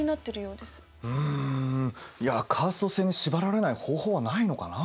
うんいやカースト制に縛られない方法はないのかなあ。